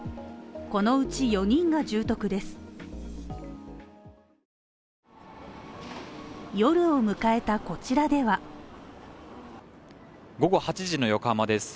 このうち４人が重篤です。